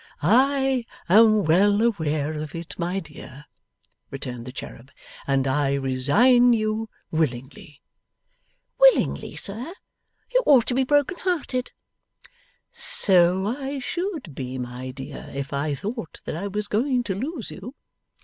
'I am well aware of it, my dear,' returned the cherub, 'and I resign you willingly.' 'Willingly, sir? You ought to be brokenhearted.' 'So I should be, my dear, if I thought that I was going to lose you.